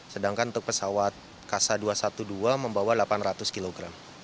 sedangkan untuk pesawat kasa dua ratus dua belas membawa delapan ratus kg